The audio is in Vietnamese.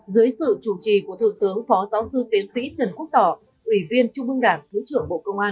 dưới sự chủ trì của thượng tướng phó giáo sư tiến sĩ trần quốc tỏ ủy viên trung ương đảng thứ trưởng bộ công an